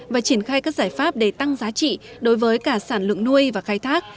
và triển khai các giải pháp để tăng giá trị đối với cả sản lượng nuôi và khai thác